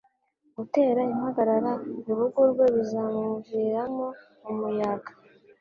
Utera impagarara mu rugo rwe bizamuviramo umuyaga